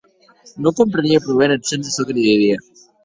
Non comprenie pro ben eth sens de çò que li didie.